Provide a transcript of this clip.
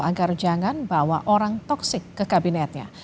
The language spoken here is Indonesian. agar jangan bawa orang toksik ke kabinetnya